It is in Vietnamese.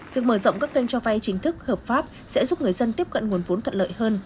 việc mở rộng các kênh cho vay chính thức hợp pháp sẽ giúp người dân tiếp cận nguồn vốn thuận lợi hơn